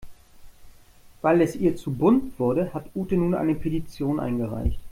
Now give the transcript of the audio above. Weil es ihr zu bunt wurde, hat Ute nun eine Petition eingereicht.